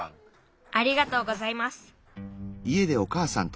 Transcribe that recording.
ありがとうございます。